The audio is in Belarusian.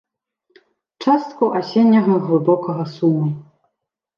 Частку асенняга глыбокага суму.